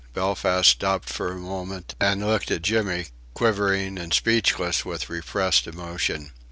Belfast stopped for a moment and looked at Jimmy, quivering and speechless with repressed emotion.